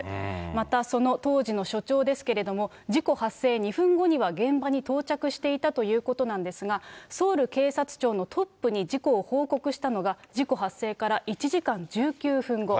またその当時の署長ですけれども、事故発生２分後には、現場に到着していたということなんですが、ソウル警察庁のトップに事故を報告したのが、事故発生から１時間１９分後。